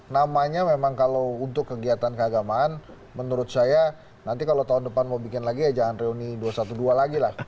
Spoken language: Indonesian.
namanya memang kalau untuk kegiatan keagamaan menurut saya nanti kalau tahun depan mau bikin lagi ya jangan reuni dua ratus dua belas lagi lah